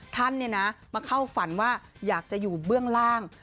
ท่านมาเข้าฝันว่าอยากจะอยู่เบื้องล่าง